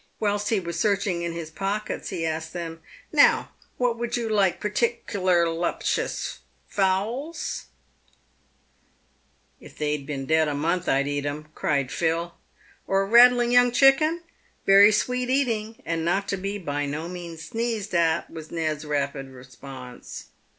Whilst he was searching in his pockets, he asked them, " Now, what would you like pertic'lar luptious — fowls ?"" If they'd been dead a month I'd eat 'em," cried Phil. " Or a rattling young chicken?" suggested Billy. " "Very sweet eating, and not to be by no means sneezed at," was Ned's rapid response.